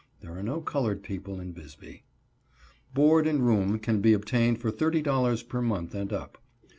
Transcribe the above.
There are no colored people in Bisbee. Board and room can be obtained for $30.00 per month and up.